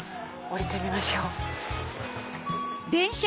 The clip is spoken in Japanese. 降りてみましょう。